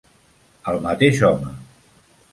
El mateix home.